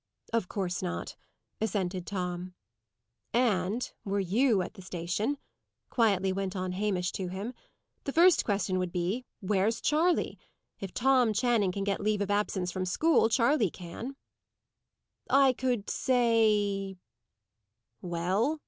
"Of course not," assented Tom. "And, were you at the station," quietly went on Hamish to him, "the first question would be, 'Where's Charley?' If Tom Channing can get leave of absence from school, Charley can." "I could say " "Well?"